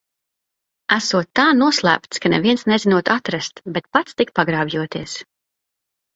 Esot tā noslēpts, ka neviens nezinot atrast, bet pats tik pagrābjoties.